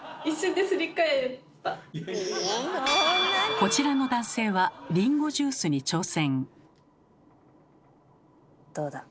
こちらの男性はりんごジュースに挑戦。